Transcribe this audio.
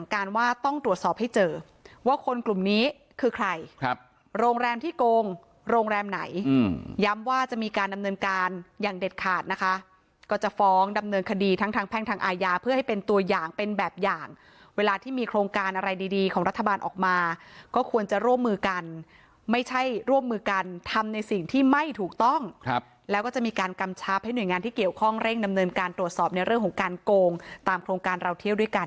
กัดนะคะก็จะฟ้องดำเนินคดีทั้งทางแพงทางอาญาเพื่อให้เป็นตัวอย่างเป็นแบบอย่างเวลาที่มีโครงการอะไรดีของรัฐบาลออกมาก็ควรจะร่วมมือกันไม่ใช่ร่วมมือกันทำในสิ่งที่ไม่ถูกต้องครับแล้วก็จะมีการกำชับให้หน่วยงานที่เกี่ยวข้องเร่งดำเนินการตรวจสอบในเรื่องของการโกงตามโครงการเราเที่ยวด้วยก